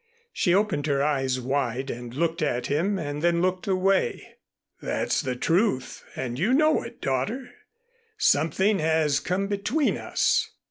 She opened her eyes wide and looked at him and then looked away. "That's the truth and you know it, daughter. Something has come between us.